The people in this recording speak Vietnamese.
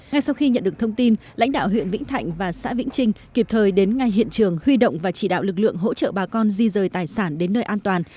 ngay sau khi nhận được thông tin lãnh đạo huyện vĩnh thạnh và xã vĩnh trinh kịp thời đến ngay hiện trường huy động và chỉ đạo lực lượng hỗ trợ bà con di rời tài sản đến nơi an toàn